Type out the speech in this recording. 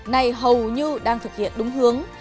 nay hầu như đang thực hiện đúng hướng